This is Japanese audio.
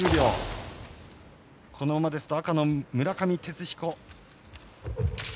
このままですと赤の村上哲彦。